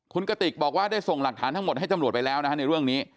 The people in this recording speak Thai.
คุณกติกบอกว่าได้ส่งหลักฐานทั้งหมดให้ตำรวจไปแล้วนะฮะในเรื่องนี้